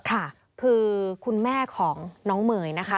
ค่ะคือคุณแม่ของน้องเมย์นะคะ